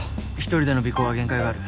１人での尾行は限界がある。